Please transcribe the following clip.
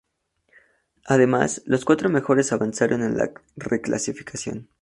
Además, los cuatro mejores avanzaron a la reclasificación.